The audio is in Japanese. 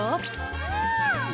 うん！